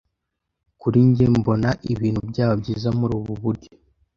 Kuri njye mbona ibintu byaba byiza muri ubu buryo.